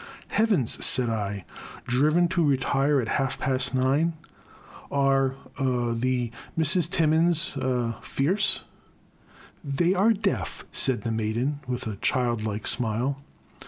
" Heavens! " said I, — "driven to retire at half past nine ! Are — er — ^the — Misses Timmins — er —fierce?" " They are deaf," said the maiden, with a child like smile.